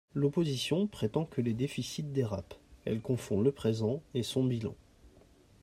L’opposition prétend que les déficits dérapent, elle confond le présent et son bilan.